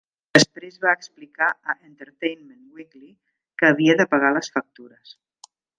Després va explicar a "Entertainment Weekly" que "havia de pagar les factures.